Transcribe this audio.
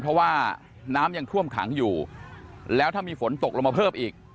เพราะว่าน้ำยังท่วมขังอยู่แล้วถ้ามีฝนตกลงมาเพิ่มอีก